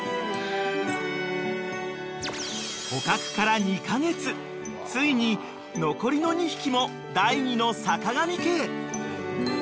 ［捕獲から２カ月ついに残りの２匹も第２のさかがみ家へ］